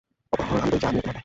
অপহরণ আমি করেছি, আমিই ওকে মারব।